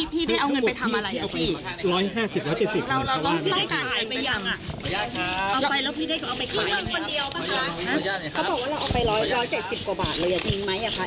พี่เอกเอาเงินไปเล่นการพนันจริงหรือเปล่าค่ะ